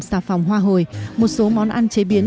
xà phòng hoa hồi một số món ăn chế biến